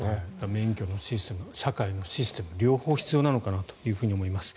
免許のシステム社会のシステム両方必要なのかなと思います。